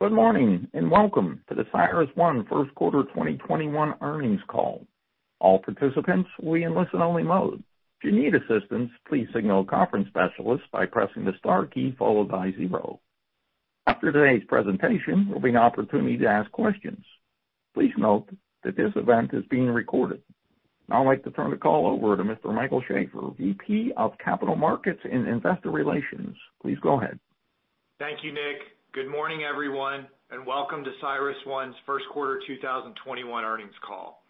Good morning, welcome to the CyrusOne Q1 2021 earnings call. All participants will be in listen only mode. After today's presentation, there will be an opportunity to ask questions. Please note that this event is being recorded. I'd like to turn the call over to Mr. Michael Schafer, VP of Capital Markets and Investor Relations. Please go ahead. Thank you, Nick. Good morning, everyone, welcome to CyrusOne's Q1 2021 earnings call.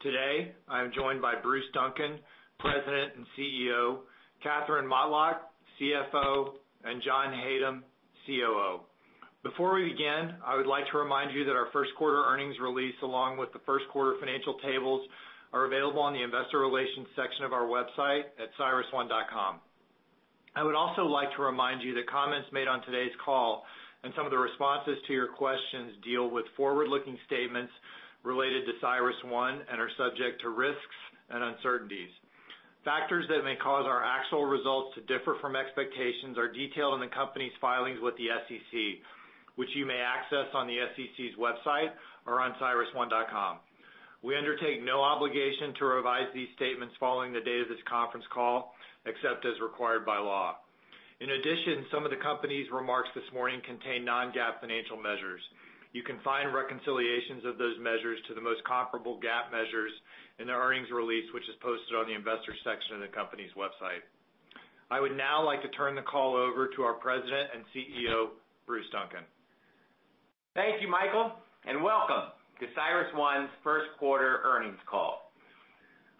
Today, I am joined by Bruce Duncan, President and CEO, Katherine Motlagh, CFO, and John Hatem, COO. Before we begin, I would like to remind you that our Q1 earnings release, along with the Q1 financial tables, are available on the investor relations section of our website at cyrusone.com. I would also like to remind you that comments made on today's call, and some of the responses to your questions, deal with forward-looking statements related to CyrusOne and are subject to risks and uncertainties. Factors that may cause our actual results to differ from expectations are detailed in the company's filings with the SEC, which you may access on the SEC's website or on cyrusone.com. We undertake no obligation to revise these statements following the date of this conference call, except as required by law. In addition, some of the company's remarks this morning contain non-GAAP financial measures. You can find reconciliations of those measures to the most comparable GAAP measures in the earnings release, which is posted on the investors section of the company's website. I would now like to turn the call over to our President and CEO, Bruce Duncan. Thank you, Michael, and welcome to CyrusOne's Q1 earnings call.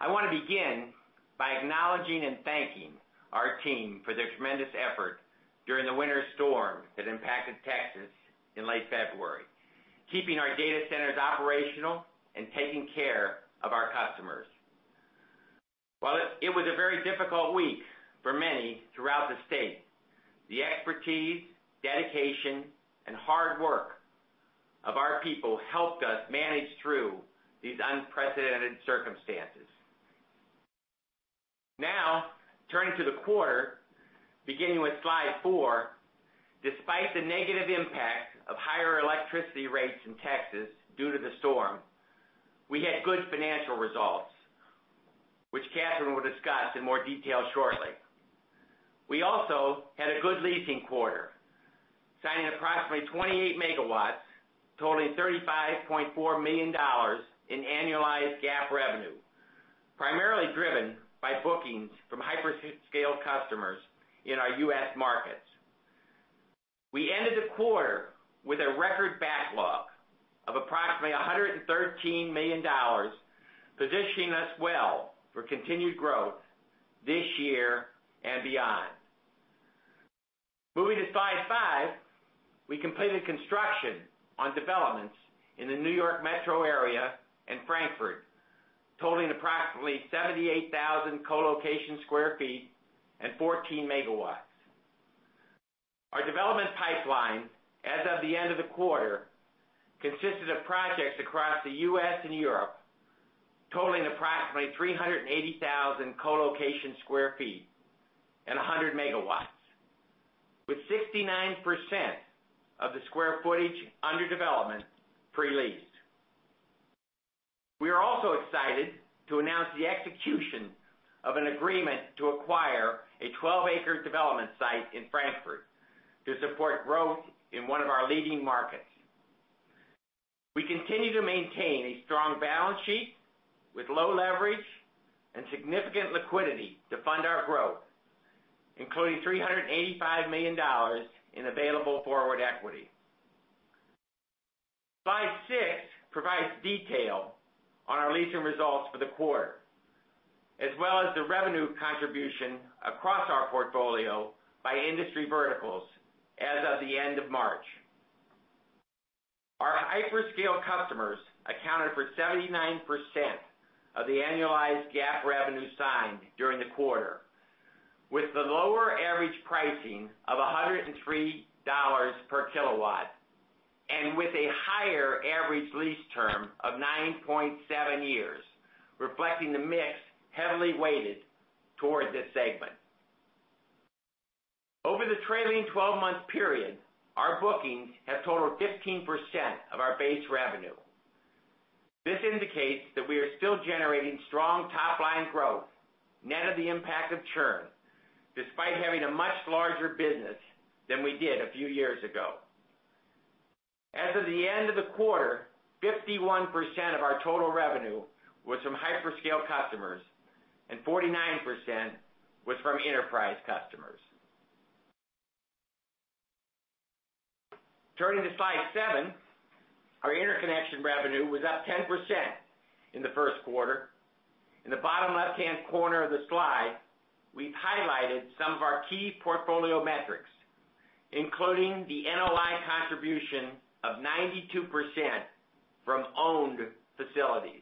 I want to begin by acknowledging and thanking our team for their tremendous effort during Winter Storm Uri that impacted Texas in late February, keeping our data centers operational and taking care of our customers. While it was a very difficult week for many throughout the state, the expertise, dedication, and hard work of our people helped us manage through these unprecedented circumstances. Turning to the quarter, beginning with slide four, despite the negative impact of higher electricity rates in Texas due to the storm, we had good financial results, which Katherine will discuss in more detail shortly. We also had a good leasing quarter, signing approximately 28 MW, totaling $35.4 million in annualized GAAP revenue, primarily driven by bookings from hyperscale customers in our U.S. markets. We ended the quarter with a record backlog of approximately $113 million, positioning us well for continued growth this year and beyond. Moving to slide five, we completed construction on developments in the New York Metro area and Frankfurt, totaling approximately 78,000 colocation sq ft and 14 MW. Our development pipeline, as of the end of the quarter, consisted of projects across the U.S. and Europe, totaling approximately 380,000 colocation sq ft and 100 MW, with 69% of the square footage under development pre-leased. We are also excited to announce the execution of an agreement to acquire a 12-acre development site in Frankfurt to support growth in one of our leading markets. We continue to maintain a strong balance sheet with low leverage and significant liquidity to fund our growth, including $385 million in available forward equity. Slide six provides detail on our leasing results for the quarter, as well as the revenue contribution across our portfolio by industry verticals as of the end of March. Our hyperscale customers accounted for 79% of the annualized GAAP revenue signed during the quarter, with the lower average pricing of $103 per kilowatt, and with a higher average lease term of 9.7 years, reflecting the mix heavily weighted towards this segment. Over the trailing 12-month period, our bookings have totaled 15% of our base revenue. This indicates that we are still generating strong top-line growth net of the impact of churn, despite having a much larger business than we did a few years ago. As of the end of the quarter, 51% of our total revenue was from hyperscale customers and 49% was from enterprise customers. Turning to slide seven, our interconnection revenue was up 10% in the Q1. In the bottom left-hand corner of the slide, we've highlighted some of our key portfolio metrics, including the NOI contribution of 92% from owned facilities.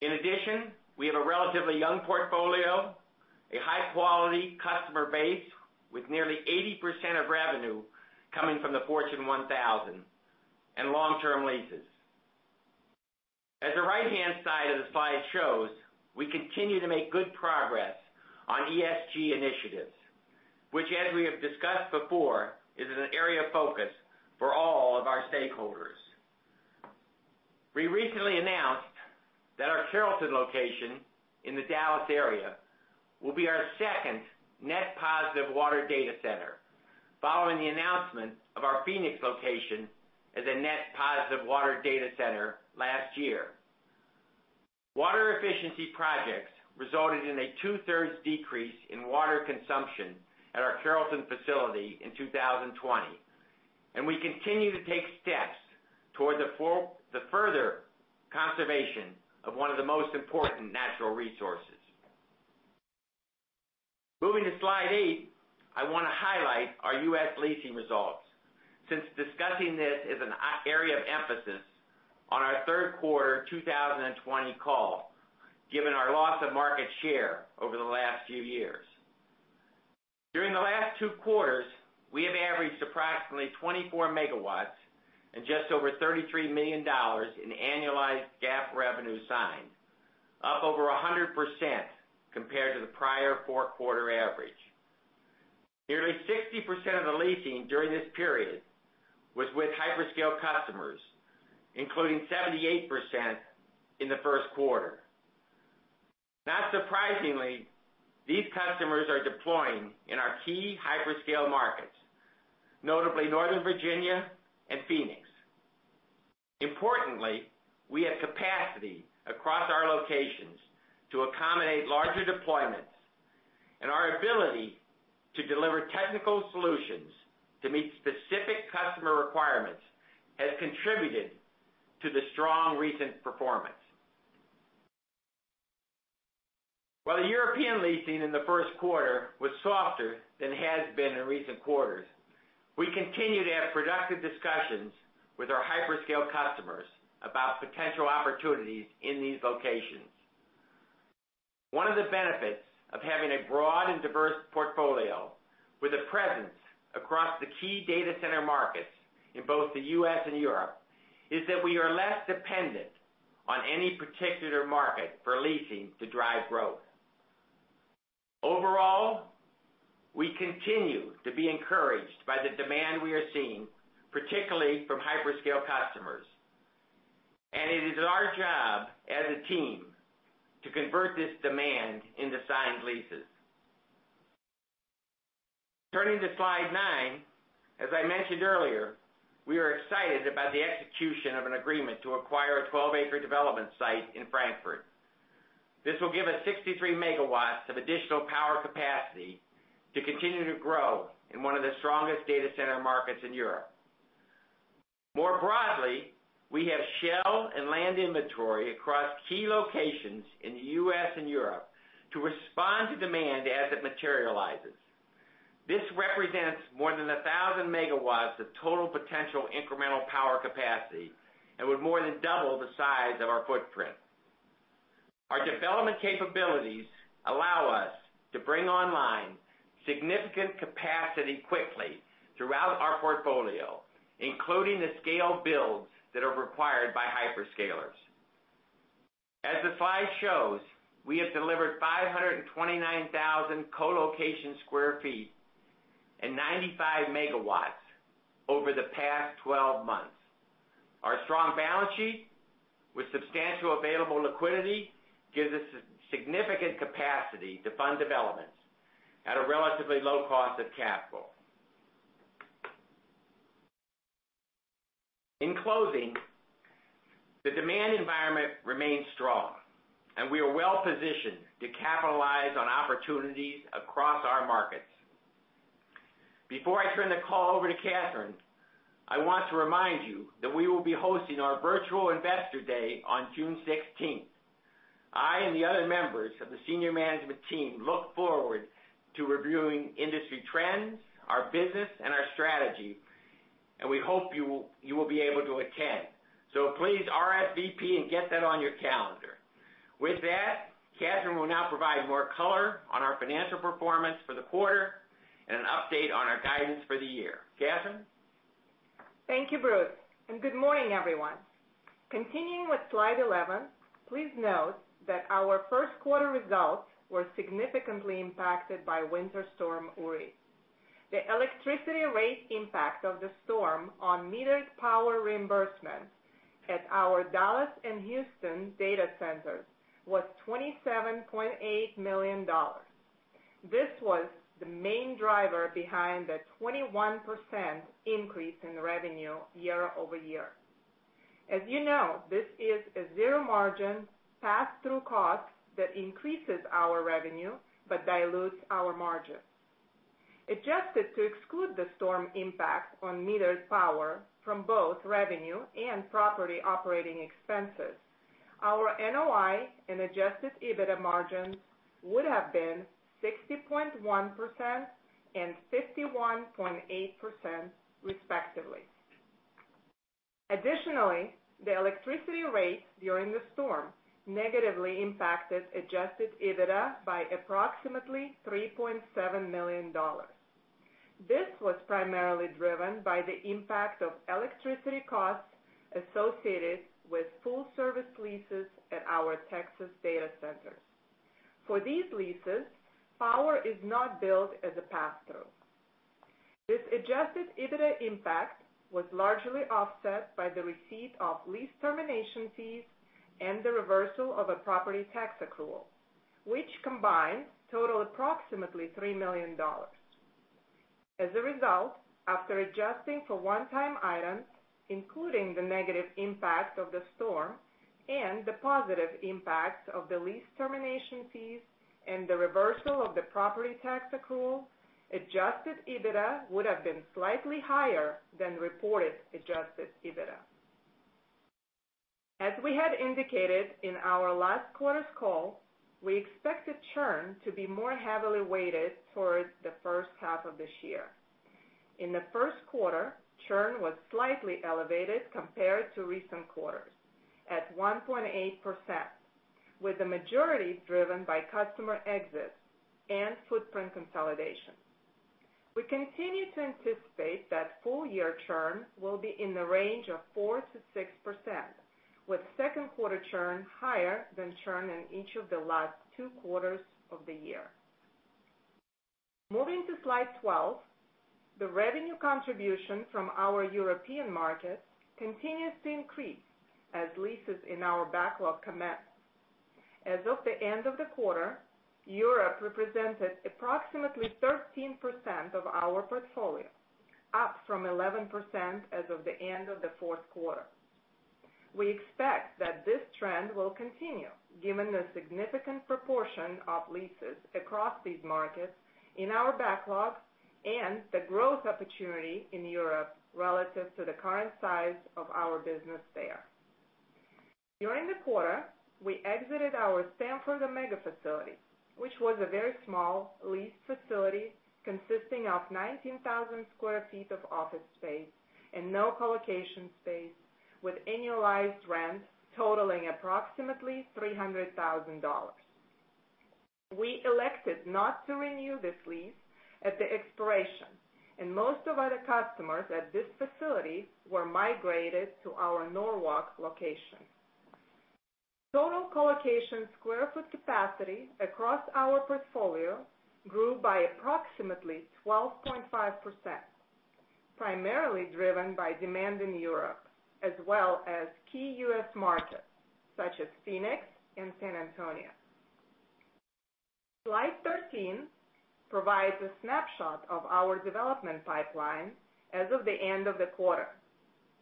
In addition, we have a relatively young portfolio, a high-quality customer base with nearly 80% of revenue coming from the Fortune 1000, and long-term leases. The right-hand side of the slide shows we continue to make good progress on ESG initiatives, which as we have discussed before, is an area of focus for all of our stakeholders. We recently announced that our Carrollton location in the Dallas area will be our second net positive water data center, following the announcement of our Phoenix location as a net positive water data center last year. Water efficiency projects resulted in a two-thirds decrease in water consumption at our Carrollton facility in 2020, and we continue to take steps toward the further conservation of one of the most important natural resources. Moving to slide eight, I want to highlight our U.S. leasing results, since discussing this is an area of emphasis on our Q3 2020 call, given our loss of market share over the last few years. During the last two quarters, we have averaged approximately 24 MW and just over $33 million in annualized GAAP revenue signed, up over 100% compared to the prior four-quarter average. Nearly 60% of the leasing during this period was with hyperscale customers, including 78% in the Q1. Not surprisingly, these customers are deploying in our key hyperscale markets, notably Northern Virginia and Phoenix. Importantly, we have capacity across our locations to accommodate larger deployments, and our ability to deliver technical solutions to meet specific customer requirements has contributed to the strong recent performance. While the European leasing in the Q1 was softer than it has been in recent quarters, we continue to have productive discussions with our hyperscale customers about potential opportunities in these locations. One of the benefits of having a broad and diverse portfolio with a presence across the key data center markets in both the U.S. and Europe is that we are less dependent on any particular market for leasing to drive growth. Overall, we continue to be encouraged by the demand we are seeing, particularly from hyperscale customers. It is our job as a team to convert this demand into signed leases. Turning to slide nine, as I mentioned earlier, we are excited about the execution of an agreement to acquire a 12-acre development site in Frankfurt. This will give us 63 MW of additional power capacity to continue to grow in one of the strongest data center markets in Europe. More broadly, we have shell and land inventory across key locations in the U.S. and Europe to respond to demand as it materializes. This represents more than 1,000 MW of total potential incremental power capacity and would more than double the size of our footprint. Our development capabilities allow us to bring online significant capacity quickly throughout our portfolio, including the scale builds that are required by hyperscalers. As the slide shows, we have delivered 529,000 colocation sq ft and 95 MW over the past 12 months. Our strong balance sheet with substantial available liquidity gives us significant capacity to fund developments at a relatively low cost of capital. In closing, the demand environment remains strong, and we are well positioned to capitalize on opportunities across our markets. Before I turn the call over to Katherine, I want to remind you that we will be hosting our virtual investor day on June 16th. I and the other members of the senior management team look forward to reviewing industry trends, our business, and our strategy, and we hope you will be able to attend. Please RSVP and get that on your calendar. With that, Katherine will now provide more color on our financial performance for the quarter and an update on our guidance for the year. Katherine? Thank you, Bruce, and good morning, everyone. Continuing with slide 11, please note that our Q1 results were significantly impacted by Winter Storm Uri. The electricity rate impact of the storm on metered power reimbursements at our Dallas and Houston data centers was $27.8 million. This was the main driver behind the 21% increase in revenue year-over-year. As you know, this is a zero-margin pass-through cost that increases our revenue but dilutes our margins. Adjusted to exclude the storm impact on metered power from both revenue and property operating expenses, our NOI and adjusted EBITDA margins would have been 60.1% and 51.8% respectively. Additionally, the electricity rates during the storm negatively impacted adjusted EBITDA by approximately $3.7 million. This was primarily driven by the impact of electricity costs associated with full-service leases at our Texas data centers. For these leases, power is not billed as a pass-through. This adjusted EBITDA impact was largely offset by the receipt of lease termination fees and the reversal of a property tax accrual, which combined total approximately $3 million. As a result, after adjusting for one-time items, including the negative impact of the storm and the positive impact of the lease termination fees and the reversal of the property tax accrual, adjusted EBITDA would have been slightly higher than reported adjusted EBITDA. As we had indicated in our last quarter's call, we expected churn to be more heavily weighted towards the H1 of this year. In the Q1, churn was slightly elevated compared to recent quarters at 1.8%, with the majority driven by customer exits and footprint consolidation. We continue to anticipate that full-year churn will be in the range of 4%-6%, with Q2 churn higher than churn in each of the last two quarters of the year. Moving to slide 12. The revenue contribution from our European markets continues to increase as leases in our backlog commence. As of the end of the quarter, Europe represented approximately 13% of our portfolio, up from 11% as of the end of the Q4. We expect that this trend will continue given the significant proportion of leases across these markets in our backlog and the growth opportunity in Europe relative to the current size of our business there. During the quarter, we exited our Stamford mega facility, which was a very small leased facility consisting of 19,000 sq ft of office space and no colocation space with annualized rent totaling approximately $300,000. We elected not to renew this lease at the expiration, and most of the customers at this facility were migrated to our Norwalk location. Total colocation square foot capacity across our portfolio grew by approximately 12.5%, primarily driven by demand in Europe as well as key U.S. markets such as Phoenix and San Antonio. Slide 13 provides a snapshot of our development pipeline as of the end of the quarter,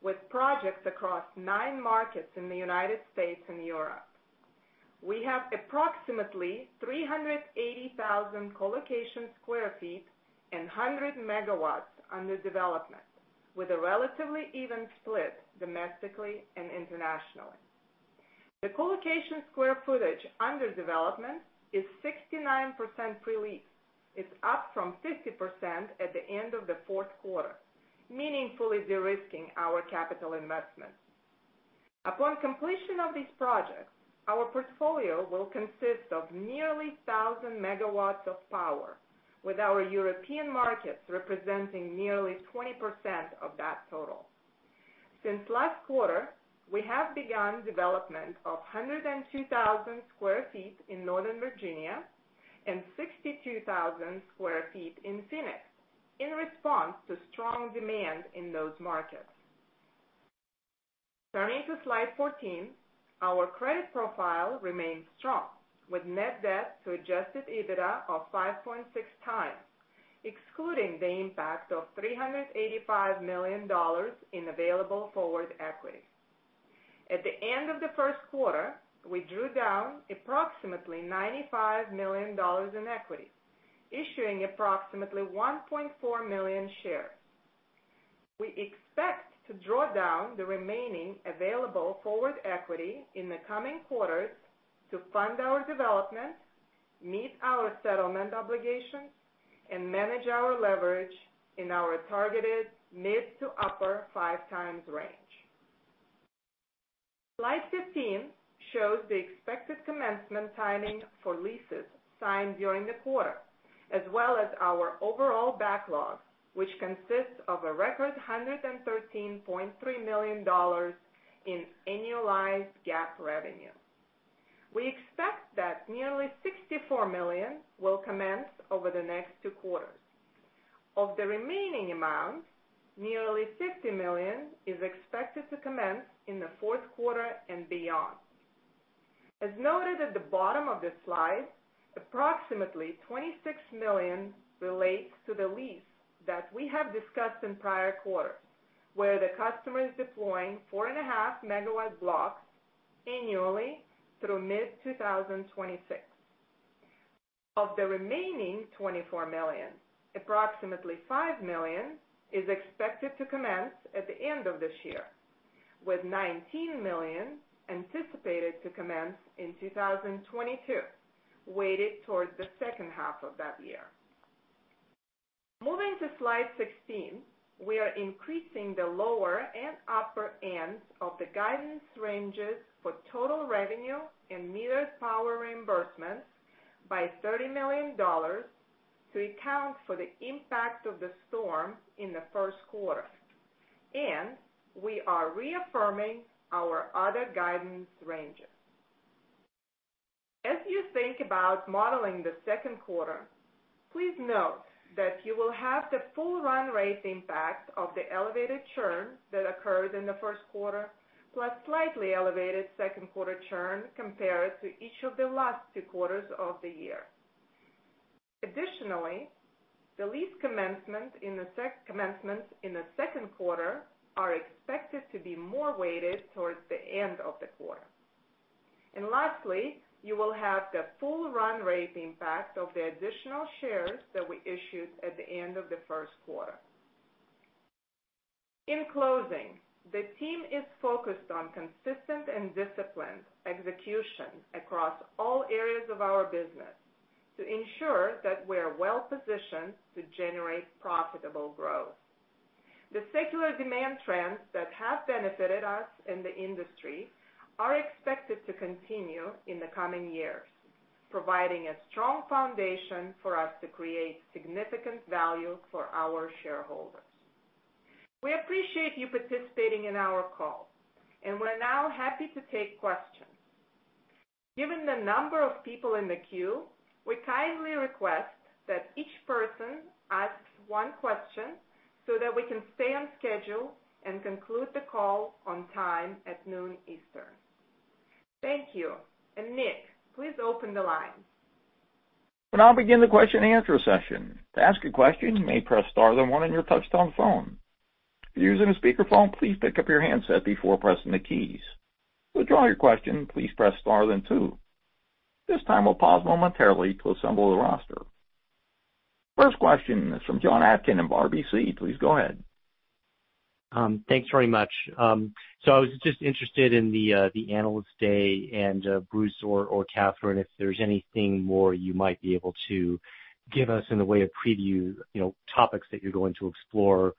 with projects across nine markets in the United States and Europe. We have approximately 380,000 colocation square feet and 100 MW under development, with a relatively even split domestically and internationally. The colocation square footage under development is 69% pre-leased. It's up from 50% at the end of the Q4, meaningfully de-risking our capital investments. Upon completion of these projects, our portfolio will consist of nearly 1,000 MW of power, with our European markets representing nearly 20% of that total. Since last quarter, we have begun development of 102,000 square feet in Northern Virginia and 62,000 square feet in Phoenix in response to strong demand in those markets. Turning to slide 14. Our credit profile remains strong, with net debt to adjusted EBITDA of 5.6 times, excluding the impact of $385 million in available forward equity. At the end of the Q1, we drew down approximately $95 million in equity, issuing approximately 1.4 million shares. We expect to draw down the remaining available forward equity in the coming quarters to fund our development, meet our settlement obligations, and manage our leverage in our targeted mid to upper five times range. Slide 15 shows the expected commencement timing for leases signed during the quarter, as well as our overall backlog, which consists of a record $113.3 million in annualized GAAP revenue. We expect that nearly $64 million will commence over the next two quarters. Of the remaining amount, nearly $50 million is expected to commence in the Q4 and beyond. As noted at the bottom of the slide, approximately $26 million relates to the lease that we have discussed in prior quarters, where the customer is deploying 4.5 MW blocks annually through mid-2026. Of the remaining $24 million, approximately $5 million is expected to commence at the end of this year, with $19 million anticipated to commence in 2022, weighted towards the H2 of that year. Moving to slide 16. We are increasing the lower and upper ends of the guidance ranges for total revenue and metered power reimbursements by $30 million to account for the impact of the storm in the Q1. We are reaffirming our other guidance ranges. As you think about modeling the Q2, please note that you will have the full run rate impact of the elevated churn that occurred in the Q1, plus slightly elevated Q2 churn compared to each of the last two quarters of the year. Additionally, the lease commencements in the Q2 are expected to be more weighted towards the end of the quarter. Lastly, you will have the full run rate impact of the additional shares that we issued at the end of the Q1. In closing, the team is focused on consistent and disciplined execution across all areas of our business to ensure that we're well-positioned to generate profitable growth. The secular demand trends that have benefited us and the industry are expected to continue in the coming years, providing a strong foundation for us to create significant value for our shareholders. We appreciate you participating in our call. We're now happy to take questions. Given the number of people in the queue, we kindly request that each person asks one question so that we can stay on schedule and conclude the call on time at noon Eastern. Thank you. Nick, please open the line. We'll now begin the question and answer session. This time, we'll pause momentarily to assemble the roster. First question is from Jon Atkin of RBC. Please go ahead. Thanks very much. I was just interested in the Analyst Day and Bruce or Katherine, if there's anything more you might be able to give us in the way of preview, topics that you're going to explore,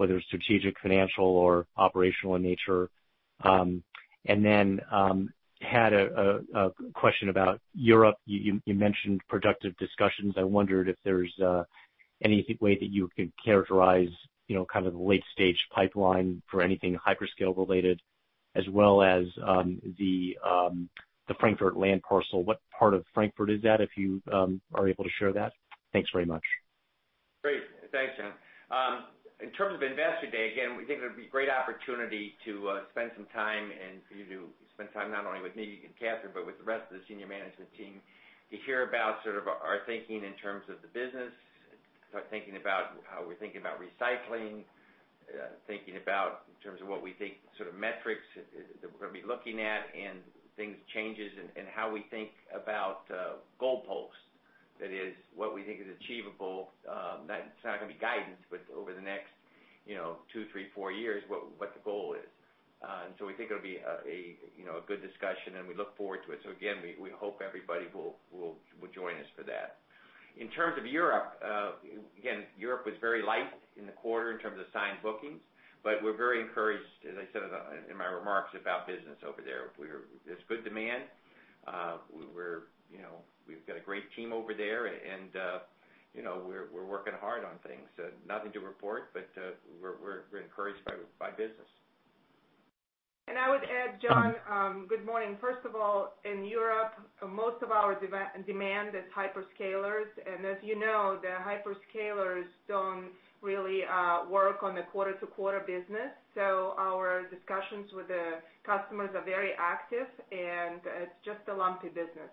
whether it's strategic, financial or operational in nature. Had a question about Europe. You mentioned productive discussions. I wondered if there's any way that you could characterize kind of the late-stage pipeline for anything hyperscale related, as well as the Frankfurt land parcel. What part of Frankfurt is that, if you are able to share that? Thanks very much. Great. Thanks, Jon. In terms of Investor Day, again, we think it'll be a great opportunity to spend some time and for you to spend time not only with me and Katherine, but with the rest of the senior management team to hear about sort of our thinking in terms of the business, start thinking about how we're thinking about recycling, thinking about in terms of what we think sort of metrics that we're going to be looking at and things changes and how we think about goalposts. That is, what we think is achievable. It's not going to be guidance, but over the next two, three, four years, what the goal is. We think it'll be a good discussion, and we look forward to it. Again, we hope everybody will join us for that. In terms of Europe, again, Europe was very light in the quarter in terms of signed bookings, but we're very encouraged, as I said in my remarks, about business over there. There's good demand. We've got a great team over there, and we're working hard on things. Nothing to report, but we're encouraged by business. I would add, Jon, good morning. First of all, in Europe, most of our demand is hyperscalers. As you know, the hyperscalers don't really work on the quarter-to-quarter business. Our discussions with the customers are very active, and it's just a lumpy business.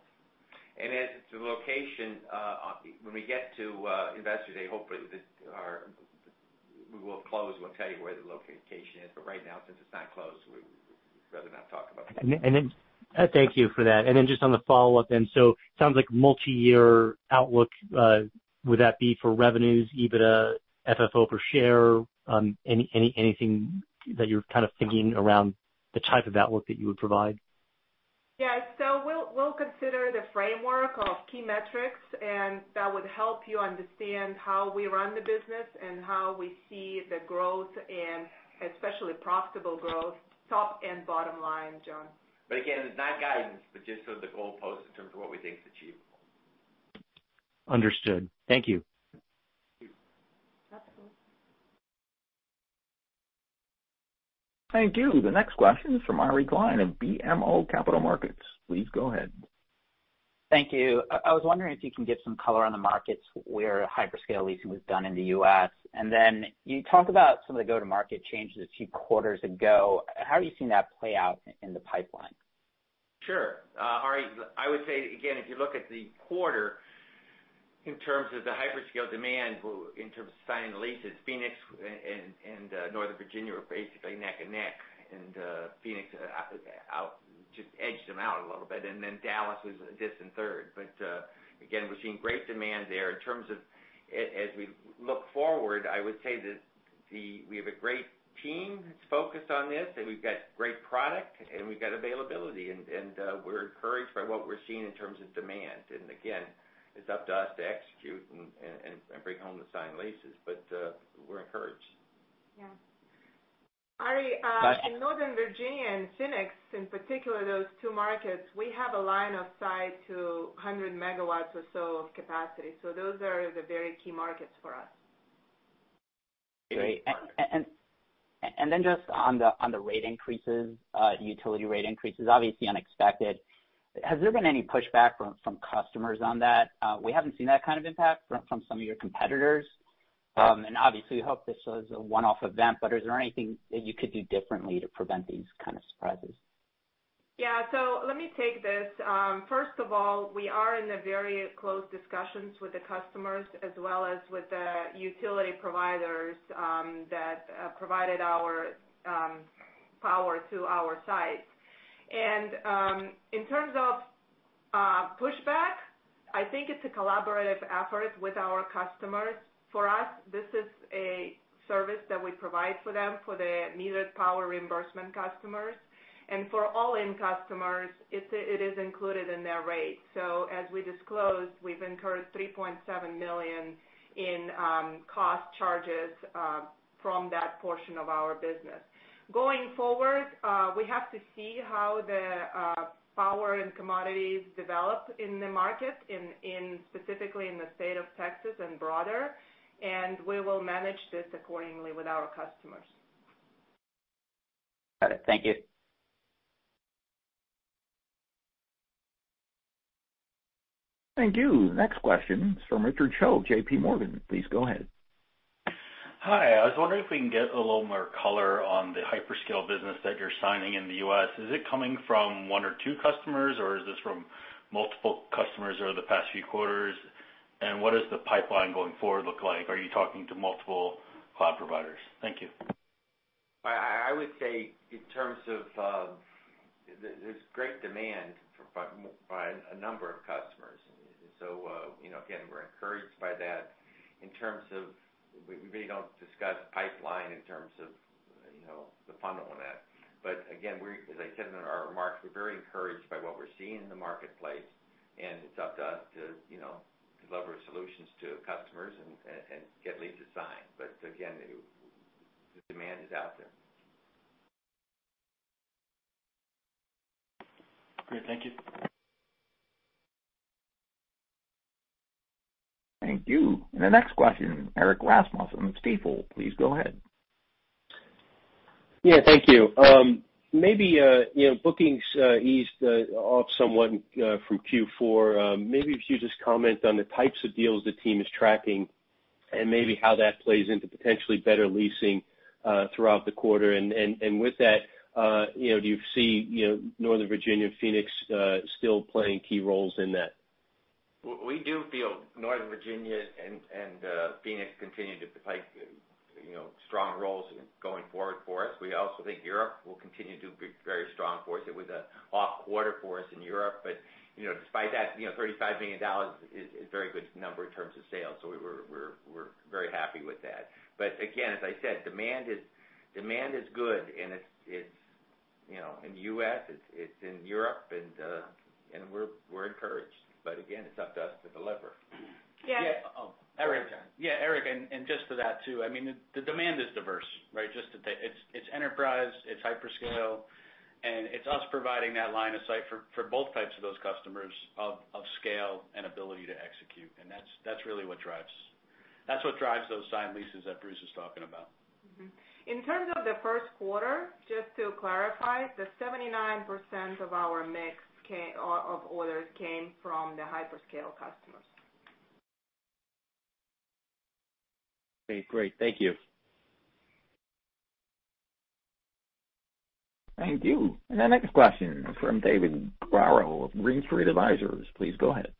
As to location, when we get to Investor Day, hopefully we will close, we'll tell you where the location is. Right now, since it's not closed, we'd rather not talk about that. Thank you for that. Just on the follow-up then, sounds like multi-year outlook. Would that be for revenues, EBITDA, FFO per share? Anything that you're kind of thinking around the type of outlook that you would provide? Yeah. We'll consider the framework of key metrics, and that would help you understand how we run the business and how we see the growth and especially profitable growth, top and bottom line, John. Again, it's not guidance, but just sort of the goalposts in terms of what we think is achievable. Understood. Thank you. Thank you. Thank you. The next question is from Ari Klein of BMO Capital Markets. Please go ahead. Thank you. I was wondering if you can give some color on the markets where hyperscale leasing was done in the U.S. Then you talked about some of the go-to-market changes a few quarters ago. How have you seen that play out in the pipeline? Sure. Ari, I would say, again, if you look at the quarter in terms of the hyperscale demand in terms of signed leases, Phoenix and Northern Virginia were basically neck and neck, and Phoenix just edged them out a little bit. Dallas was a distant third. We're seeing great demand there. In terms of as we look forward, I would say that we have a great team that's focused on this, and we've got great product, and we've got availability, and we're encouraged by what we're seeing in terms of demand. It's up to us to execute and bring home the signed leases. We're encouraged. Yeah. Ari, in Northern Virginia and Phoenix, in particular, those two markets, we have a line of sight to 100 megawatts or so of capacity. Those are the very key markets for us. Great. Then just on the rate increases, utility rate increases, obviously unexpected. Has there been any pushback from customers on that? We haven't seen that kind of impact from some of your competitors. Obviously, we hope this was a one-off event, but is there anything that you could do differently to prevent these kind of surprises? Let me take this. First of all, we are in very close discussions with the customers as well as with the utility providers that provided our power to our sites. In terms of pushback, I think it's a collaborative effort with our customers. For us, this is a service that we provide for them for the needed power reimbursement customers. For all-in customers, it is included in their rate. As we disclosed, we've incurred $3.7 million in cost charges from that portion of our business. Going forward, we have to see how the power and commodities develop in the market, specifically in the state of Texas and broader, and we will manage this accordingly with our customers. Got it. Thank you. Thank you. Next question is from Richard Choe, J.P. Morgan. Please go ahead. Hi. I was wondering if we can get a little more color on the hyperscale business that you're signing in the U.S. Is it coming from one or two customers, or is this from multiple customers over the past few quarters? What does the pipeline going forward look like? Are you talking to multiple cloud providers? Thank you. I would say, in terms of, there's great demand by a number of customers. Again, we're encouraged by that. In terms of, we really don't discuss pipeline in terms of the funnel on that. Again, as I said in our remarks, we're very encouraged by what we're seeing in the marketplace, and it's up to us to deliver solutions to customers and get leases signed. Again, the demand is out there. Great. Thank you. Thank you. The next question, Erik Rasmussen from Stifel. Please go ahead. Yeah, thank you. Bookings eased off somewhat from Q4. If you just comment on the types of deals the team is tracking and maybe how that plays into potentially better leasing throughout the quarter. With that, do you see Northern Virginia and Phoenix still playing key roles in that? We do feel Northern Virginia and Phoenix continue to play strong roles going forward for us. We also think Europe will continue to be very strong for us. It was an off quarter for us in Europe, despite that, $35 million is a very good number in terms of sales. We're very happy with that. Again, as I said, demand is good, and it's in U.S., it's in Europe, and we're encouraged. Again, it's up to us to deliver. Yeah. Yeah, Erik, just to that, too, I mean, the demand is diverse, right? Just it's enterprise, it's hyperscale, and it's us providing that line of sight for both types of those customers of scale and ability to execute. That's really what drives those signed leases that Bruce is talking about. In terms of the Q1, just to clarify, the 79% of our mix of orders came from the hyperscale customers. Okay, great. Thank you. Thank you. The next question from David Barro of Green Street Advisors. Please go ahead.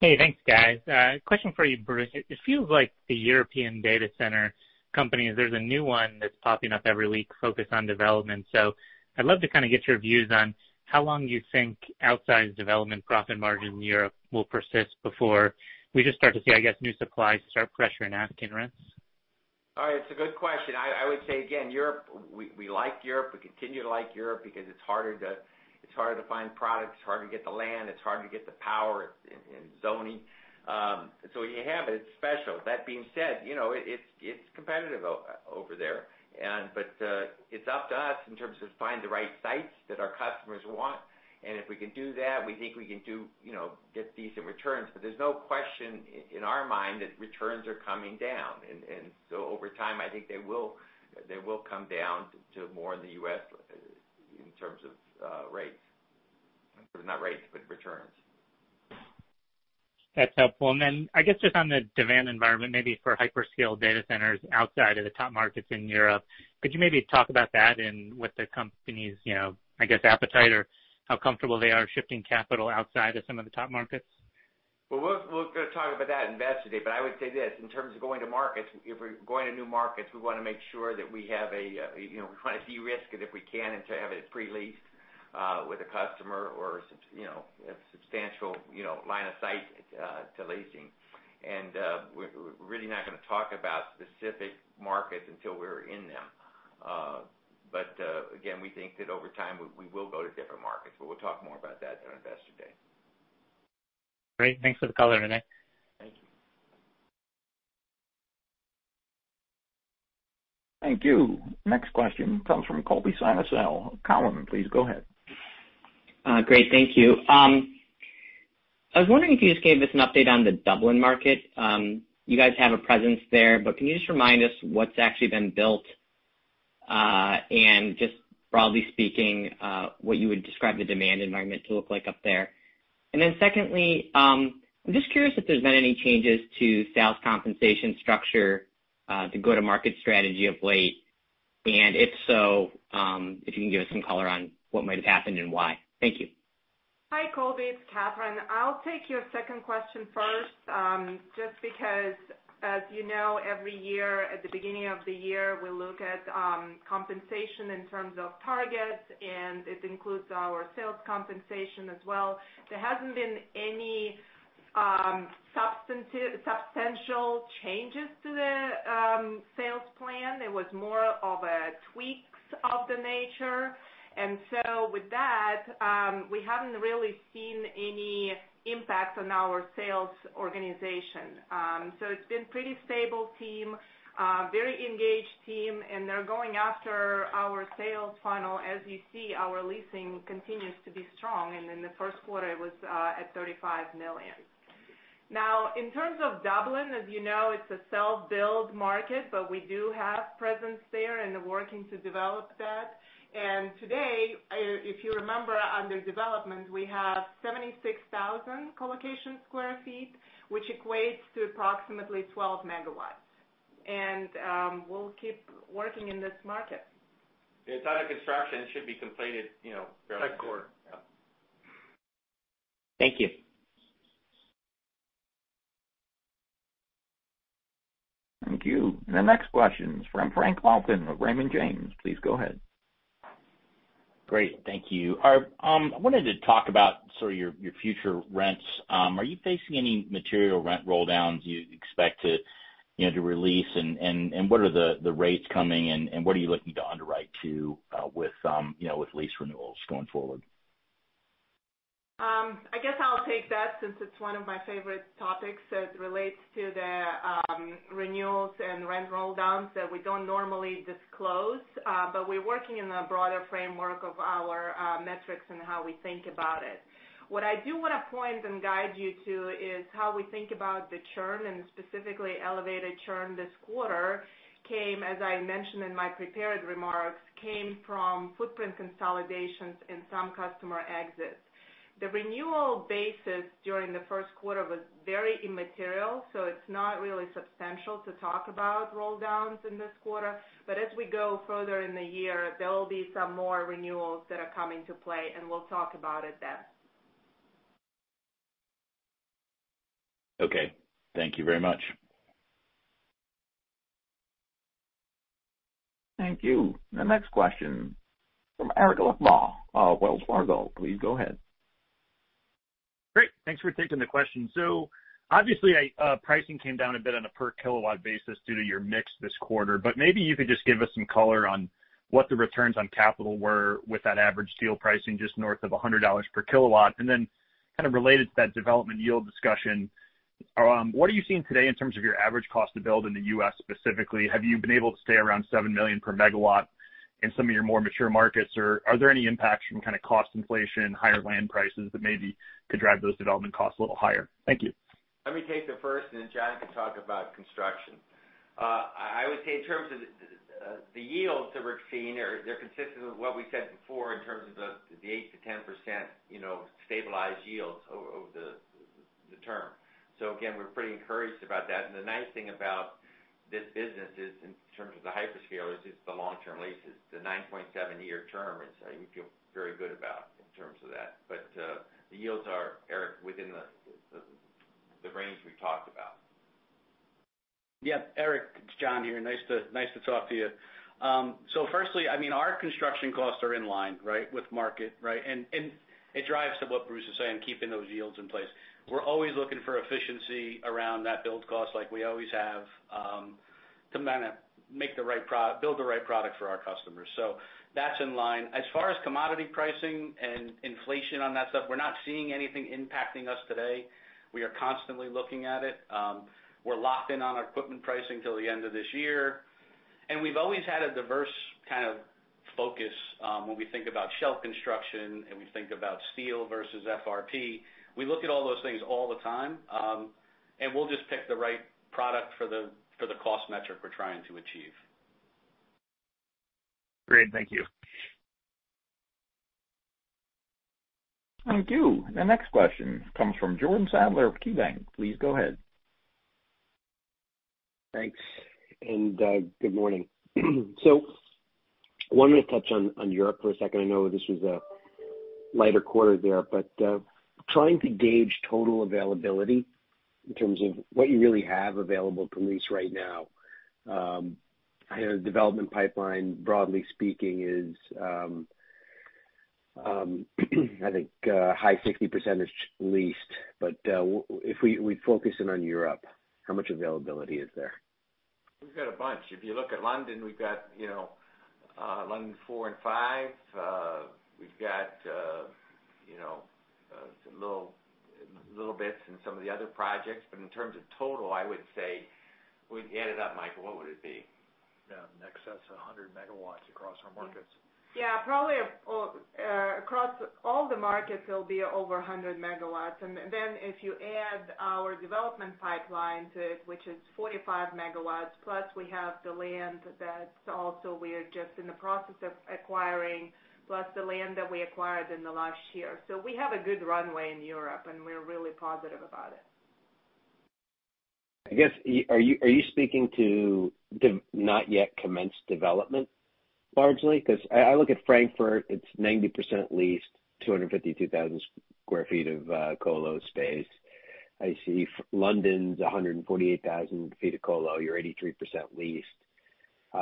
Hey, thanks, guys. Question for you, Bruce. It feels like the European data center companies, there's a new one that's popping up every week focused on development. I'd love to kind of get your views on how long do you think outsized development profit margin in Europe will persist before we just start to see, I guess, new supply start pressuring asking rents? Ari, it's a good question. I would say again, Europe, we like Europe, we continue to like Europe because it's harder to find product, it's harder to get the land, it's harder to get the power and zoning. You have it's special. That being said, it's competitive over there. It's up to us in terms of finding the right sites that our customers want, and if we can do that, we think we can get decent returns. There's no question in our mind that returns are coming down. Over time, I think they will come down to more in the U.S. in terms of rates. Not rates, but returns. That's helpful. I guess just on the demand environment, maybe for hyperscale data centers outside of the top markets in Europe, could you maybe talk about that and what the company's, I guess, appetite or how comfortable they are shifting capital outside of some of the top markets? Well, we're going to talk about that in Investor Day. I would say this, in terms of going to markets, if we're going to new markets, we want to make sure that we have we want to de-risk it if we can and to have it pre-leased with a customer or a substantial line of sight to leasing. We're really not going to talk about specific markets until we're in them. Again, we think that over time, we will go to different markets, but we'll talk more about that on Investor Day. Great. Thanks for the color, Renee. Thank you. Thank you. Next question comes from Colby Synesael, Cowen. Please go ahead. Great. Thank you. I was wondering if you just gave us an update on the Dublin market. You guys have a presence there, but can you just remind us what's actually been built, and just broadly speaking, what you would describe the demand environment to look like up there? Secondly, I'm just curious if there's been any changes to sales compensation structure, the go-to-market strategy of late, and if so, if you can give us some color on what might have happened and why. Thank you. Hi, Colby. It's Katherine. I'll take your second question first, just because as you know, every year, at the beginning of the year, we look at compensation in terms of targets. It includes our sales compensation as well. There hasn't been any substantial changes to the sales plan. It was more of a tweaks of the nature. With that, we haven't really seen any impact on our sales organization. It's been pretty stable team, very engaged team, and they're going after our sales funnel. As you see, our leasing continues to be strong. In the Q1, it was at $35 million. In terms of Dublin, as you know, it's a self-build market, but we do have presence there and are working to develop that. Today, if you remember, under development, we have 76,000 colocation square feet, which equates to approximately 12 MW. We'll keep working in this market. It's under construction. It should be completed fairly- Next quarter. Yeah. Thank you. Thank you. The next question is from Frank Louthan with Raymond James. Please go ahead. Great. Thank you. I wanted to talk about sort of your future rents. Are you facing any material rent rolldowns you expect to release? What are the rates coming and what are you looking to underwrite to with lease renewals going forward? I guess I'll take that since it's one of my favorite topics as it relates to the renewals and rent rolldowns that we don't normally disclose, but we're working in a broader framework of our metrics and how we think about it. What I do want to point and guide you to is how we think about the churn, and specifically elevated churn this quarter, as I mentioned in my prepared remarks, came from footprint consolidations and some customer exits. The renewal basis during the Q1 was very immaterial, so it's not really substantial to talk about rolldowns in this quarter. As we go further in the year, there will be some more renewals that are coming to play, and we'll talk about it then. Okay. Thank you very much. Thank you. The next question from Eric Luebchow of Wells Fargo. Please go ahead. Great. Thanks for taking the question. Obviously, pricing came down a bit on a per kilowatt basis due to your mix this quarter, but maybe you could just give us some color on what the returns on capital were with that average deal pricing just north of $100 per kW. Then kind of related to that development yield discussion, what are you seeing today in terms of your average cost to build in the U.S. specifically? Have you been able to stay around $7 million per MW in some of your more mature markets? Are there any impacts from kind of cost inflation, higher land prices that maybe could drive those development costs a little higher? Thank you. Let me take the first. Then John can talk about construction. I would say in terms of the yields that we're seeing, they're consistent with what we said before in terms of the 8%-10% stabilized yields over the term. Again, we're pretty encouraged about that. The nice thing about this business is, in terms of the hyperscale, is it's the long-term leases. The 9.7-year term is something we feel very good about in terms of that. The yields are, Eric, within the range we've talked about. Yeah, Eric, it's John here. Nice to talk to you. Firstly, our construction costs are in line, right, with market, right? It drives to what Bruce is saying, keeping those yields in place. We're always looking for efficiency around that build cost like we always have, to build the right product for our customers. That's in line. As far as commodity pricing and inflation on that stuff, we're not seeing anything impacting us today. We are constantly looking at it. We're locked in on our equipment pricing till the end of this year. We've always had a diverse kind of focus when we think about shell construction and we think about steel versus FRP. We look at all those things all the time, and we'll just pick the right product for the cost metric we're trying to achieve. Great. Thank you. Thank you. The next question comes from Jordan Sadler of KeyBanc. Please go ahead. Thanks, and good morning. Wanted to touch on Europe for a second. I know this was a lighter quarter there, but trying to gauge total availability in terms of what you really have available for lease right now. I know the development pipeline, broadly speaking, is, I think a high 60% is leased. If we focus in on Europe, how much availability is there? We've got a bunch. If you look at London, we've got London 4 and 5. We've got some little bits in some of the other projects. In terms of total, I would say, when you add it up, Mike, what would it be? Yeah. In excess of 100 MW across our markets. Yeah. Probably across all the markets, it'll be over 100 MW. If you add our development pipeline to it, which is 45 MW, plus we have the land that also we are just in the process of acquiring, plus the land that we acquired in the last year. We have a good runway in Europe, and we're really positive about it. I guess, are you speaking to the not yet commenced development largely? I look at Frankfurt, it's 90% leased, 252,000 sq ft of co-lo space. I see London's 148,000 sq ft of co-lo. You're 83% leased.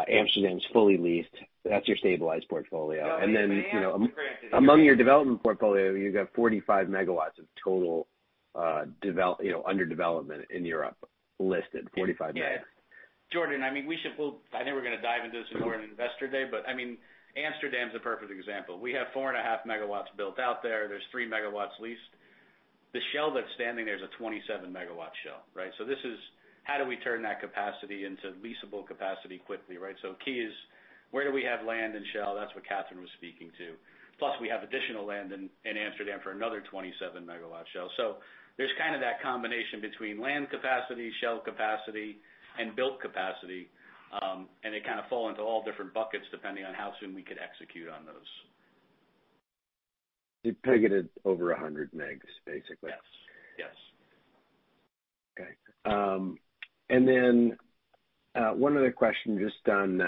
Amsterdam's fully leased. That's your stabilized portfolio. No, Amsterdam. Among your development portfolio, you've got 45 MW of total under development in Europe listed, 45 MW. Jordan, I think we're going to dive into this more on Investor Day, but Amsterdam's a perfect example. We have four and a half MW built out there. There's three MW leased. The shell that's standing there is a 27-MW shell. Right? This is how do we turn that capacity into leasable capacity quickly, right? Key is where do we have land and shell? That's what Katherine was speaking to. Plus, we have additional land in Amsterdam for another 27-MW shell. There's kind of that combination between land capacity, shell capacity, and built capacity. They kind of fall into all different buckets depending on how soon we could execute on those. You peg it at over 100 megs, basically. Yes. Okay. One other question just on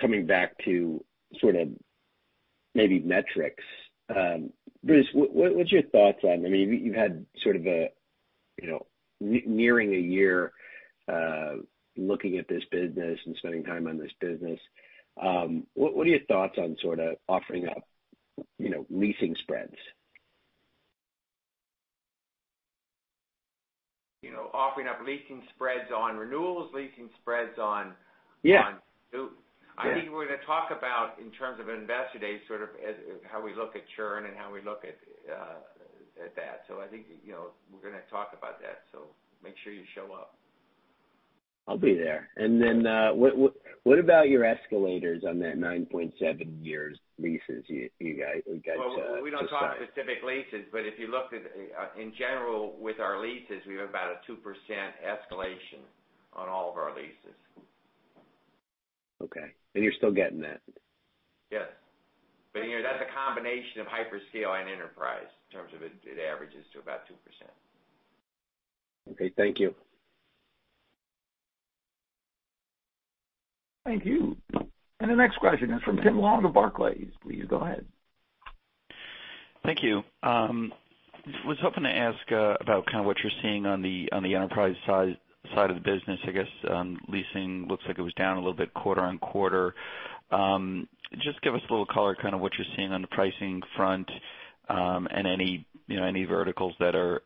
coming back to sort of maybe metrics. Bruce, you've had sort of nearing a year looking at this business and spending time on this business. What are your thoughts on sort of offering up leasing spreads? Offering up leasing spreads on renewals. Yeah on new. Yeah. I think we're going to talk about, in terms of Investor Day, sort of how we look at churn and how we look at that. I think we're going to talk about that. Make sure you show up. I'll be there. What about your escalators on that 9.7 years leases you guys just signed? Well, we don't talk specific leases. If you look at, in general, with our leases, we have about a 2% escalation on all of our leases. Okay. You're still getting that? Yes. That's a combination of hyperscale and enterprise in terms of it averages to about 2%. Okay. Thank you. Thank you. The next question is from Tim Long of Barclays. Please go ahead. Thank you. Was hoping to ask about kind of what you're seeing on the enterprise side of the business. I guess leasing looks like it was down a little bit quarter on quarter. Just give us a little color kind of what you're seeing on the pricing front, and any verticals that are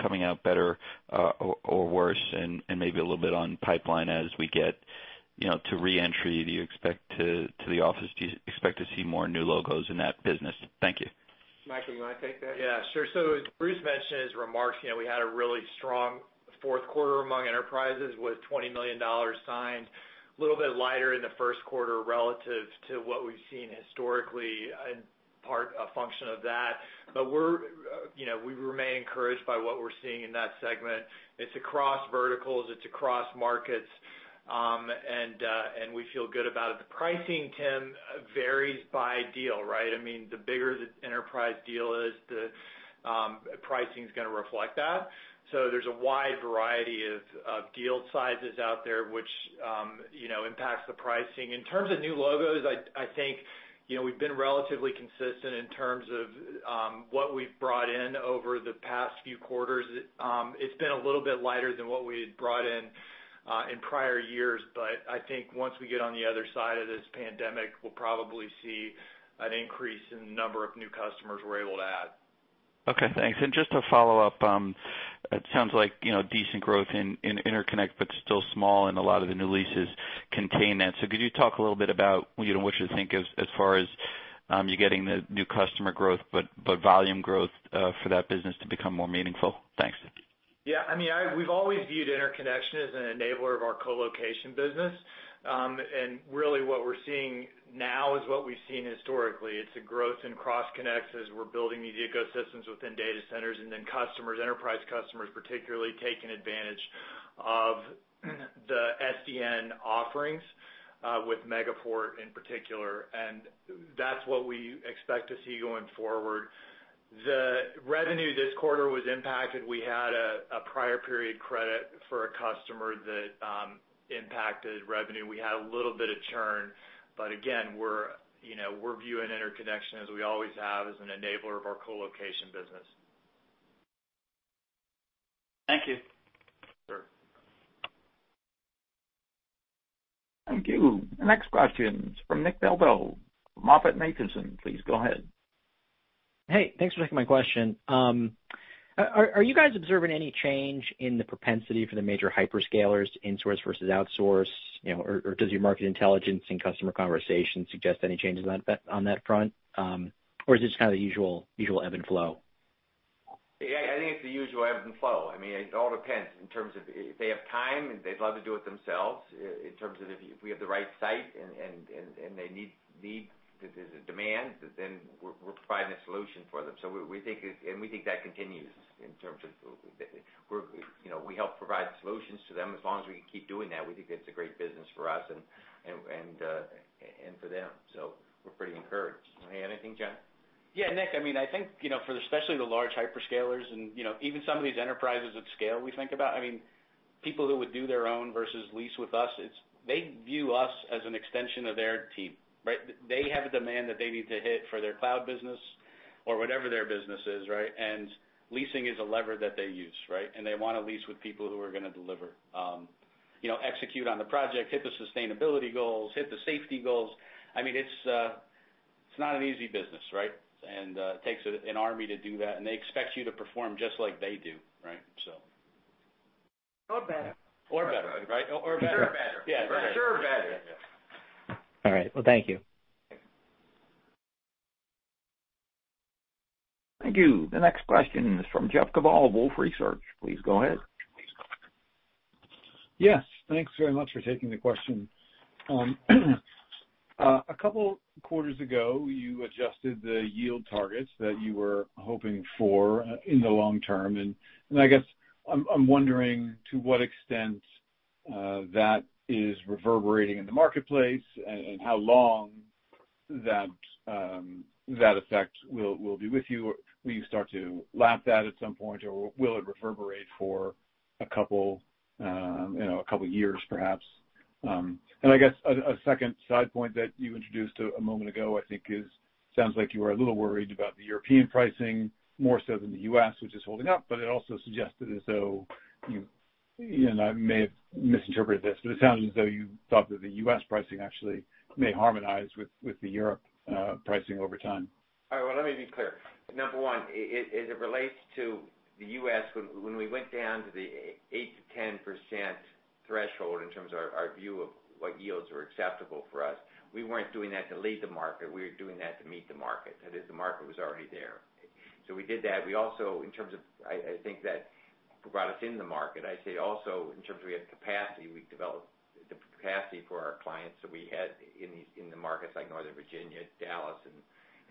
coming out better or worse, and maybe a little bit on pipeline as we get to reentry to the office. Do you expect to see more new logos in that business? Thank you. Mike, you want to take that? As Bruce mentioned in his remarks, we had a really strong Q4 among enterprises with $20 million signed. A little bit lighter in the Q1 relative to what we've seen historically in part a function of that. We remain encouraged by what we're seeing in that segment. It's across verticals. It's across markets. We feel good about it. The pricing, Tim, varies by deal, right? The bigger the enterprise deal is, the pricing's going to reflect that. There's a wide variety of deal sizes out there, which impacts the pricing. In terms of new logos, I think we've been relatively consistent in terms of what we've brought in over the past few quarters. It's been a little bit lighter than what we had brought in in prior years. I think once we get on the other side of this pandemic, we'll probably see an increase in the number of new customers we're able to add. Okay, thanks. Just to follow up, it sounds like decent growth in interconnect, but still small, and a lot of the new leases contain that. Could you talk a little bit about what you think as far as you getting the new customer growth, but volume growth for that business to become more meaningful? Thanks. Yeah. We've always viewed interconnection as an enabler of our colocation business. Really what we're seeing now is what we've seen historically. It's a growth in cross connects as we're building these ecosystems within data centers, and then enterprise customers particularly taking advantage of the SDN offerings with Megaport in particular. That's what we expect to see going forward. The revenue this quarter was impacted. We had a prior period credit for a customer that impacted revenue. We had a little bit of churn. Again, we're viewing interconnection as we always have, as an enabler of our colocation business. Thank you. Sure. Thank you. The next question is from Nick Del Deo of MoffettNathanson. Please go ahead. Hey, thanks for taking my question. Are you guys observing any change in the propensity for the major hyperscalers to insource versus outsource, or does your market intelligence and customer conversations suggest any changes on that front? Is this kind of the usual ebb and flow? Yeah. I think it's the usual ebb and flow. It all depends. In terms of if they have time and they'd love to do it themselves, in terms of if we have the right site and there's a demand, we're providing a solution for them. We think that continues. We help provide solutions to them. As long as we can keep doing that, we think it's a great business for us and for them. We're pretty encouraged. You have anything, John? Yeah, Nick, I think for especially the large hyperscalers and even some of these enterprises of scale we think about, people who would do their own versus lease with us, they view us as an extension of their team, right? They have a demand that they need to hit for their cloud business or whatever their business is, right? Leasing is a lever that they use, right? They want to lease with people who are going to deliver. Execute on the project, hit the sustainability goals, hit the safety goals. It's not an easy business, right? It takes an army to do that, and they expect you to perform just like they do, right? Better. Better, right? Better. Sure better. Yeah. Sure better. All right. Well, thank you. Thank you. Thank you. The next question is from Jeff Kvaal, Wolfe Research. Please go ahead. Yes, thanks very much for taking the question. A couple quarters ago, you adjusted the yield targets that you were hoping for in the long term, and I guess I'm wondering to what extent that is reverberating in the marketplace and how long that effect will be with you. Will you start to lap that at some point, or will it reverberate for a couple years perhaps? I guess a second side point that you introduced a moment ago, I think is, sounds like you are a little worried about the European pricing more so than the U.S., which is holding up, but it also suggested as though you, and I may have misinterpreted this, but it sounds as though you thought that the U.S. pricing actually may harmonize with the Europe pricing over time. All right. Well, let me be clear. Number one, as it relates to the U.S., when we went down to the 8%-10% threshold in terms of our view of what yields were acceptable for us, we weren't doing that to lead the market. We were doing that to meet the market. That is, the market was already there. We did that. I think that brought us in the market. I'd say also in terms of we had capacity, we developed the capacity for our clients that we had in the markets like Northern Virginia, Dallas, and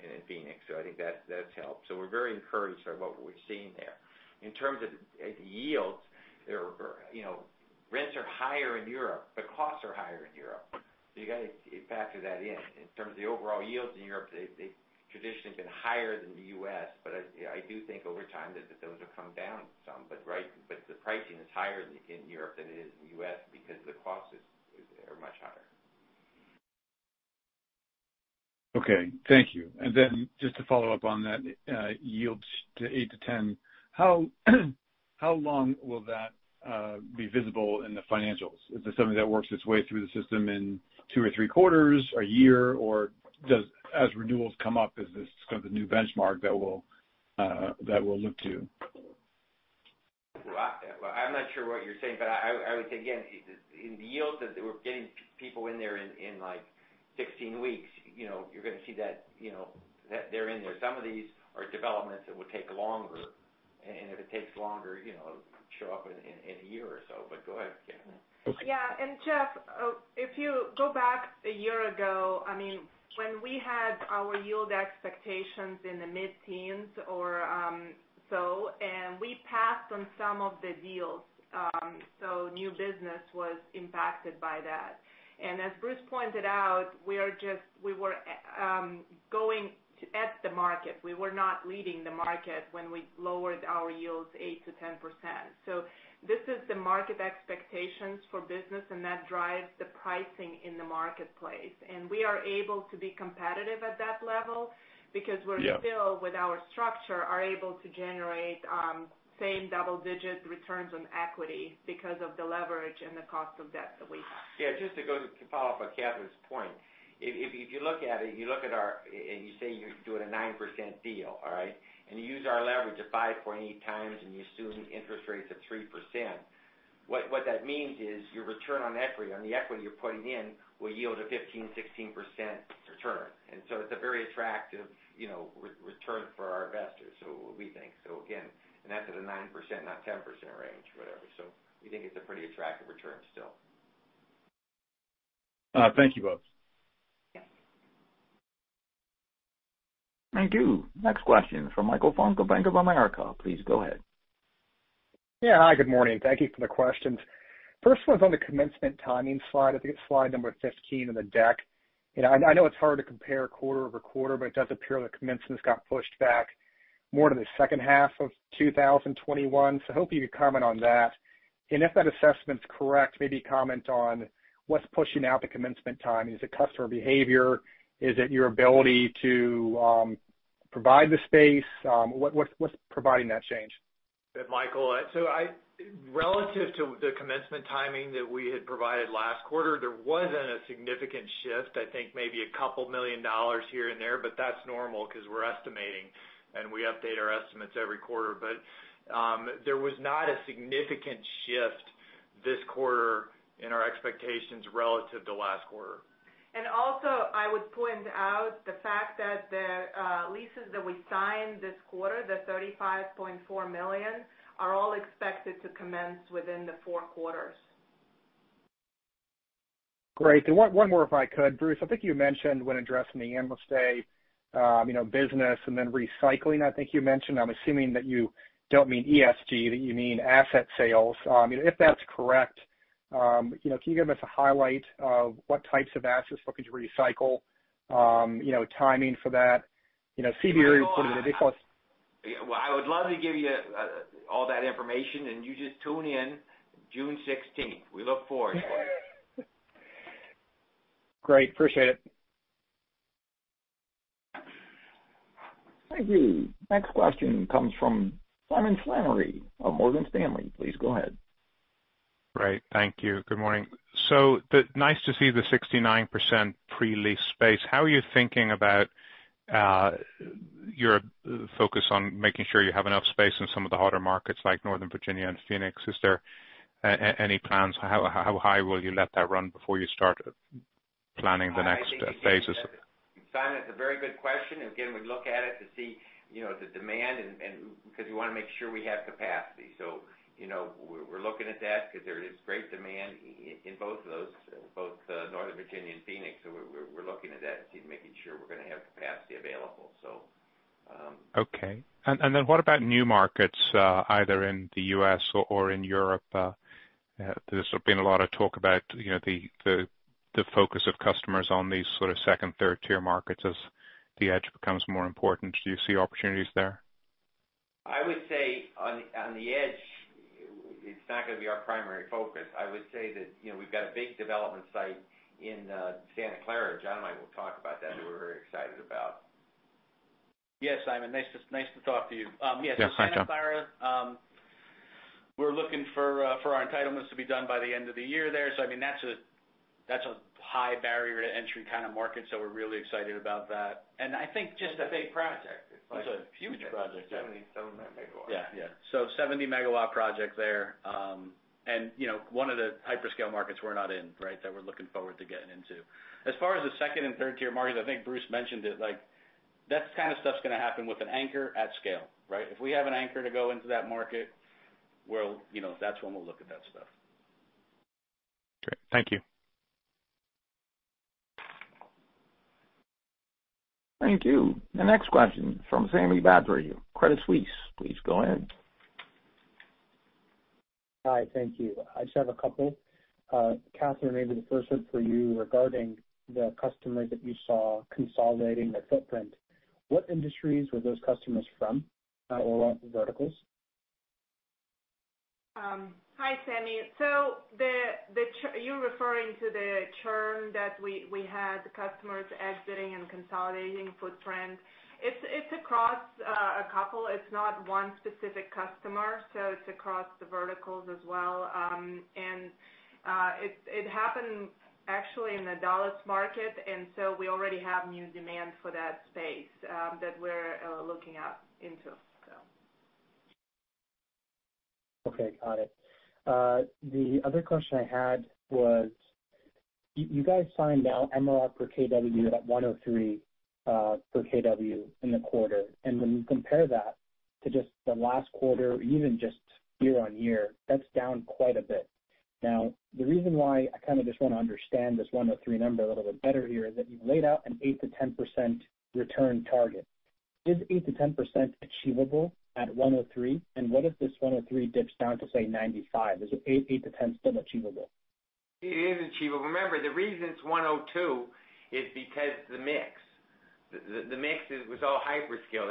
in Phoenix. I think that's helped. We're very encouraged by what we're seeing there. In terms of yields, rents are higher in Europe. The costs are higher in Europe. You got to factor that in. In terms of the overall yields in Europe, they've traditionally been higher than the U.S., but I do think over time that those will come down some. The pricing is higher in Europe than it is in the U.S. because the costs are much higher. Okay. Thank you. Just to follow up on that yields to 8%-10%, how long will that be visible in the financials? Is this something that works its way through the system in two or three quarters, a year? As renewals come up, is this kind of the new benchmark that we'll look to? I'm not sure what you're saying, but I would say again, in the yields that we're getting people in there in 16 weeks, you're going to see that they're in there. Some of these are developments that will take longer, and if it takes longer, it'll show up in a year or so. Go ahead, Katherine. Yeah. Jeff, if you go back a year ago, when we had our yield expectations in the mid-teens or so, and we passed on some of the deals, so new business was impacted by that. As Bruce Duncan pointed out, we were going at the market. We were not leading the market when we lowered our yields 8%-10%. This is the market expectations for business, and that drives the pricing in the marketplace. We are able to be competitive at that level because we're still- Yeah with our structure, are able to generate same double-digit returns on equity because of the leverage and the cost of debt that we have. Yeah, just to follow up on Katherine's point. If you look at it, and you say you're doing a 9% deal, all right? You use our leverage of 5.8 times and you assume interest rates of 3%, what that means is your return on equity, on the equity you're putting in, will yield a 15%-16% return. It's a very attractive return for our investors, we think. Again, that's at a 9%-10% range, whatever. We think it's a pretty attractive return still. Thank you both. Yeah. Thank you. Next question from Michael Funk of Bank of America. Please go ahead. Yeah. Hi, good morning. Thank you for the questions. First one's on the commencement timing slide. I think it's slide number 15 in the deck. I know it's hard to compare quarter-over-quarter, it does appear the commencements got pushed back more to the H2 of 2021. I hope you could comment on that. If that assessment's correct, maybe comment on what's pushing out the commencement timing. Is it customer behavior? Is it your ability to provide the space? What's providing that change? Michael, relative to the commencement timing that we had provided last quarter, there wasn't a significant shift. I think maybe a couple million dollars here and there, but that's normal because we're estimating, and we update our estimates every quarter. There was not a significant shift this quarter in our expectations relative to last quarter. Also, I would point out the fact that the leases that we signed this quarter, the $35.4 million, are all expected to commence within the four quarters. Great. One more if I could. Bruce, I think you mentioned when addressing the end of stay business and then recycling. I'm assuming that you don't mean ESG, that you mean asset sales. If that's correct, can you give us a highlight of what types of assets, looking to recycle, timing for that, CBRE put into the data plus-? I would love to give you all that information, and you just tune in June 16th. We look forward to it. Great. Appreciate it. Thank you. Next question comes from Simon Flannery of Morgan Stanley. Please go ahead. Great. Thank you. Good morning. Nice to see the 69% pre-leased space. How are you thinking about your focus on making sure you have enough space in some of the hotter markets like Northern Virginia and Phoenix? Is there any plans? How high will you let that run before you start planning the next phases? Simon, it's a very good question. Again, we look at it to see the demand, because we want to make sure we have capacity. We're looking at that because there is great demand in both of those, both Northern Virginia and Phoenix. We're looking at that to making sure we're going to have capacity available. What about new markets either in the U.S. or in Europe? There's been a lot of talk about the focus of customers on these sort of Tier 2, Tier 3 markets as the edge becomes more important. Do you see opportunities there? I would say on the edge, it's not going to be our primary focus. I would say that we've got a big development site in Santa Clara. John and I will talk about that, we're very excited about. Yes, Simon, nice to talk to you. Yeah. Hi, John. Santa Clara, we're looking for our entitlements to be done by the end of the year there. That's a high barrier to entry kind of market. We're really excited about that. I think just a big project. It's a huge project. It's a huge project. 70, 75 MW. 70-MW project there. One of the hyperscale markets we're not in, that we're looking forward to getting into. As far as the second and third Tier markets, I think Bruce mentioned it like, that kind of stuff's going to happen with an anchor at scale. If we have an anchor to go into that market, that's when we'll look at that stuff. Great. Thank you. Thank you. The next question from Sami Badri, Credit Suisse. Please go ahead. Hi. Thank you. I just have a couple. Katherine, maybe the first one for you regarding the customer that you saw consolidating the footprint. What industries were those customers from or verticals? Hi, Sami. You're referring to the churn that we had customers exiting and consolidating footprint. It's across a couple. It's not one specific customer, it's across the verticals as well. It happened actually in the Dallas market, we already have new demand for that space that we're looking at into. Okay, got it. The other question I had was, you guys signed MRR per kW at 103 per kW in the quarter. When you compare that to just the last quarter or even just year-on-year, that's down quite a bit. Now, the reason why I kind of just want to understand this 103 number a little bit better here is that you've laid out an 8%-10% return target. Is 8%-10% achievable at 103? What if this 103 dips down to, say, 95? Is 8%-10% still achievable? It is achievable. Remember, the reason it's 102 is because the mix. The mix was all hyperscale.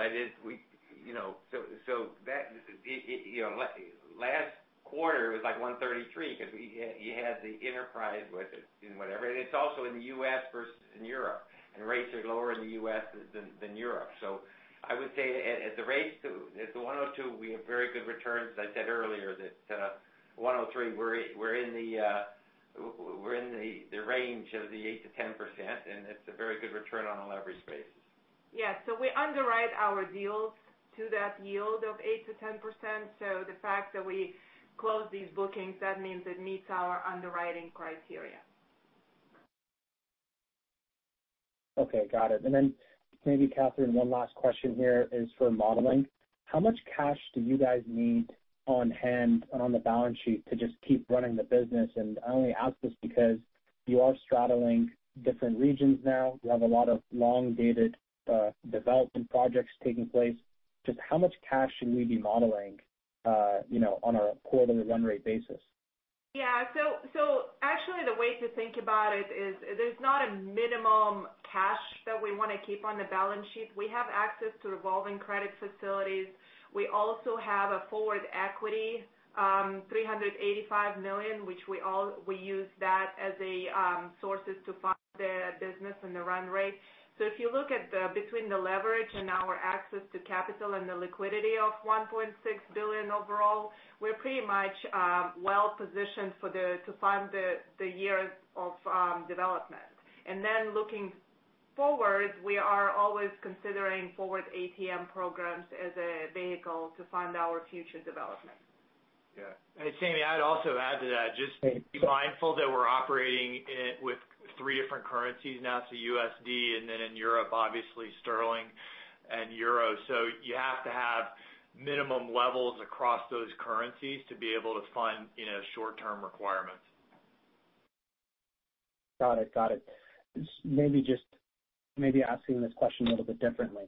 Last quarter was like 133 because you had the enterprise with it and whatever. It's also in the U.S. versus in Europe, and rates are lower in the U.S. than Europe. I would say at the 102, we have very good returns. As I said earlier, that 103, we're in the range of the 8%-10%, and it's a very good return on a leverage basis. We underwrite our deals to that yield of 8%-10%. The fact that we close these bookings, that means it meets our underwriting criteria. Okay, got it. Then maybe Katherine, one last question here is for modeling. How much cash do you guys need on hand on the balance sheet to just keep running the business? I only ask this because you are straddling different regions now. You have a lot of long-dated development projects taking place. Just how much cash should we be modeling on a quarter to run rate basis? Actually, the way to think about it is there's not a minimum cash that we want to keep on the balance sheet. We have access to revolving credit facilities. We also have a forward equity, $385 million, which we use that as sources to fund the business and the run rate. If you look at between the leverage and our access to capital and the liquidity of $1.6 billion overall, we're pretty much well-positioned to fund the years of development. Looking forward, we are always considering forward ATM programs as a vehicle to fund our future development. Yeah. Sami, I'd also add to that, just be mindful that we're operating with three different currencies now. USD, and then in Europe, obviously sterling and euro. You have to have minimum levels across those currencies to be able to fund short-term requirements. Got it. Maybe asking this question a little bit differently.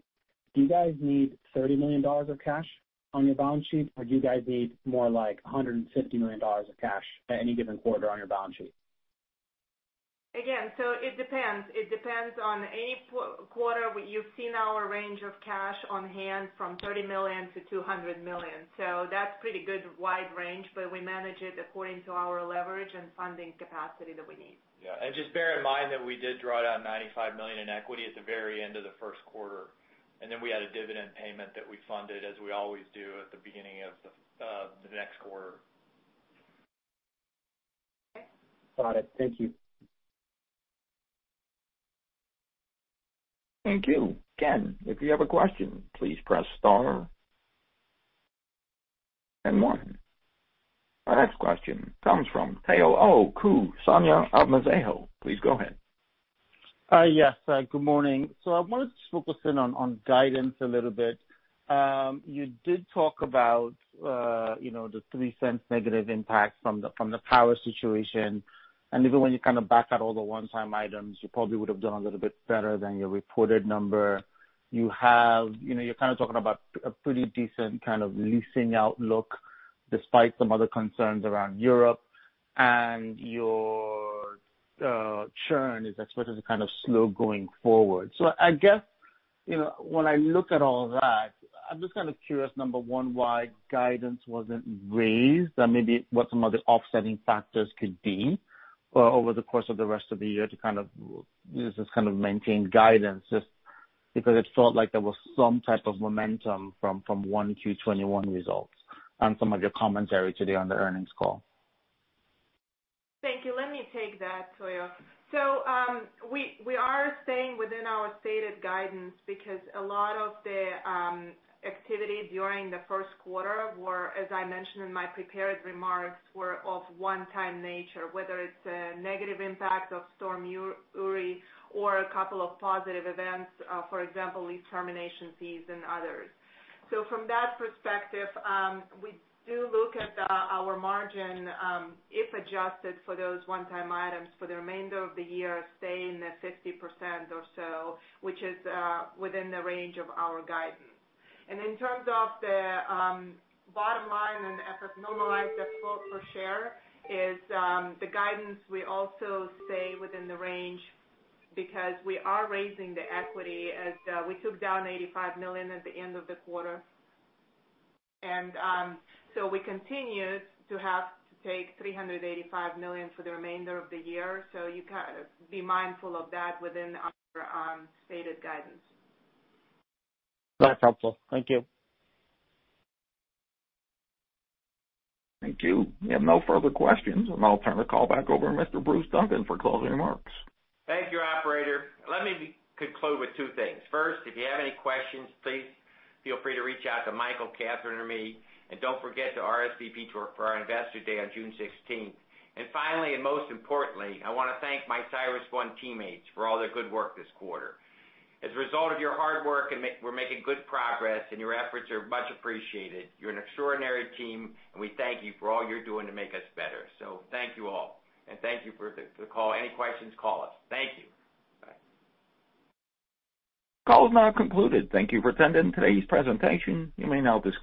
Do you guys need $30 million of cash on your balance sheet, or do you guys need more like $150 million of cash at any given quarter on your balance sheet? It depends. It depends on any quarter. You've seen our range of cash on hand from $30 million-$200 million. That's pretty good wide range, but we manage it according to our leverage and funding capacity that we need. Yeah. Just bear in mind that we did draw down $95 million in equity at the very end of the Q1. Then we had a dividend payment that we funded, as we always do, at the beginning of the next quarter. Got it. Thank you. Thank you. Again, if you have a question, please press star then one. Our next question comes from Tayo Okusanya at Mizuho. Please go ahead. Yes, good morning. I wanted to focus in on guidance a little bit. You did talk about the $0.03 negative impact from the power situation, and even when you kind of back out all the one-time items, you probably would have done a little bit better than your reported number. You're kind of talking about a pretty decent kind of leasing outlook despite some other concerns around Europe, and your churn is expected to kind of slow going forward. I guess, when I look at all that, I'm just kind of curious, number one, why guidance wasn't raised and maybe what some of the offsetting factors could be over the course of the rest of the year to kind of maintain guidance, just because it felt like there was some type of momentum from Q1 2021 results and some of your commentary today on the earnings call. Thank you. Let me take that, Tayo. We are staying within our stated guidance because a lot of the activity during the Q1 were, as I mentioned in my prepared remarks, were of one-time nature, whether it's a negative impact of Winter Storm Uri or a couple of positive events, for example, lease termination fees and others. From that perspective, we do look at our margin, if adjusted for those one-time items for the remainder of the year, stay in the 50% or so, which is within the range of our guidance. In terms of the bottom line and FFO normalized, the flow per share is the guidance we also say within the range because we are raising the equity as we took down $85 million at the end of the quarter. We continue to have to take $385 million for the remainder of the year, so be mindful of that within our stated guidance. That's helpful. Thank you. Thank you. We have no further questions, and I'll turn the call back over to Mr. Bruce Duncan for closing remarks. Thank you, operator. Let me conclude with two things. First, if you have any questions, please feel free to reach out to Michael, Katherine, or me, and don't forget to RSVP for our Investor Day on June 16th. Finally, and most importantly, I want to thank my CyrusOne teammates for all their good work this quarter. As a result of your hard work, we're making good progress, and your efforts are much appreciated. You're an extraordinary team, and we thank you for all you're doing to make us better. Thank you all, and thank you for the call. Any questions, call us. Thank you. Bye. Call is now concluded. Thank you for attending today's presentation. You may now disconnect.